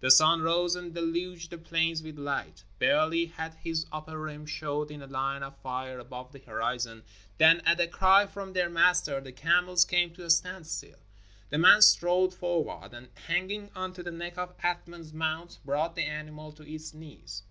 The sun rose and deluged the plains with light. Barely had his upper rim showed in a line of fire above the horizon than at a cry from their master the camels came to a standstill. The man strode forward and hanging on to the neck of Athman's mount brought the animal to its knees.